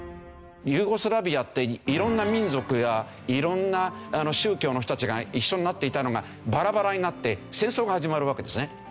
ユーゴスラビアって色んな民族や色んな宗教の人たちが一緒になっていたのがバラバラになって戦争が始まるわけですね。